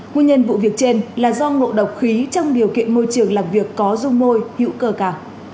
nguyên nhân vụ việc trên là do ngộ độc khí trong điều kiện môi trường làm việc có dung môi hữu cơ cả